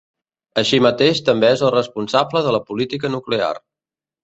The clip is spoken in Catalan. Així mateix també és el responsable de la política nuclear.